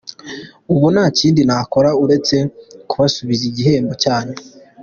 Ubu nta kindi nakora uretse kubasubiza igihembo cyanyu.